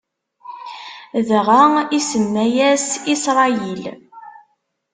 Dɣa, isemma-yas Isṛayil.